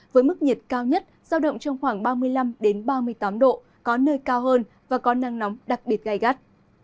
với mức nhiệt cao nhất giao động trong khoảng ba mươi năm ba mươi tám độ có nơi cao hơn và có nắng nóng đặc biệt gai gắt